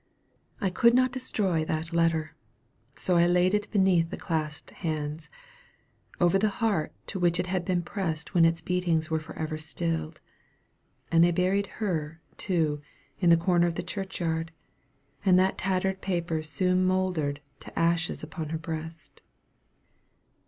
I could not destroy that letter: so I laid it beneath the clasped hands, over the heart to which it had been pressed when its beatings were forever stilled; and they buried her, too, in the corner of the churchyard; and that tattered paper soon mouldered to ashes upon her breast.